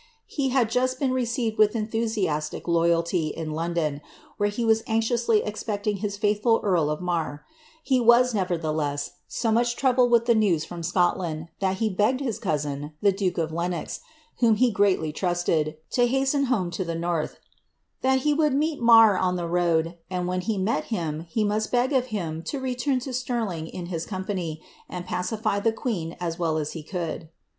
He had just been received with enthusiastic loyalty in Liondon, where he was anxiously expecting his faithful earl of Marr; he was, nevertheless, so much troubled with the news from Scotland, that he begged his cousin, the duke of Lenox, whom he greatly trusted, to hasten home to the north, ^ that he would meet Marr on the road, and when he met him, he must beg of him to return to Stirling in his company, and pacify the queen as well as he could."